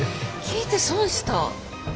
聞いて損した。